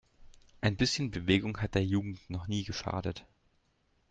Ein bisschen Bewegung hat der Jugend noch nie geschadet!